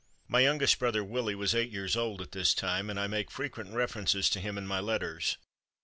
My youngest brother, Willie, was eight years old at this time, and I make frequent references to him in my letters.